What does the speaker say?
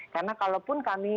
karena kalaupun kami